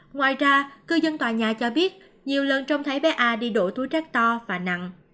ngoài ra cư dân tòa nhà cho biết nhiều lần trông thấy bé a đi đổ túi rác to và nặng